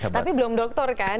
tapi belum doktor kan